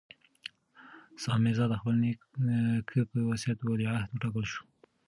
سام میرزا د خپل نیکه په وصیت ولیعهد وټاکل شو.